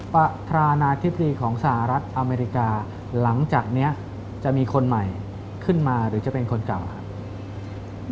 ประธานาธิบดีของสหรัฐอเมริกาหลังจากนี้จะมีคนใหม่ขึ้นมาหรือจะเป็นคนเก่าครับ